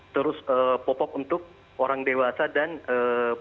terus popok untuk orang dewasa dan eee